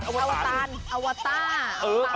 เอออัวกอาวัตาลอะไรนะอวกอาวัตาล